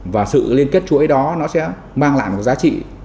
và sự liên kết chuỗi đó nó sẽ mang lại một giá trị